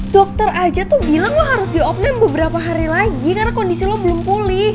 dokter aja tuh bilang lo harus diopnam beberapa hari lagi karena kondisi lo belum pulih